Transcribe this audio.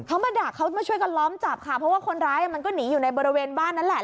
เขามาดักเขามาช่วยกันล้อมจับค่ะเพราะว่าคนร้ายมันก็หนีอยู่ในบริเวณบ้านนั้นแหละ